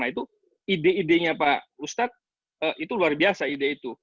nah itu ide idenya pak ustadz itu luar biasa ide itu